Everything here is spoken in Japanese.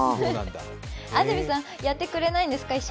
安住さん、一緒にやってくれないんですか？